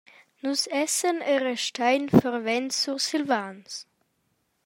Nus essan e restein fervents Sursilvans.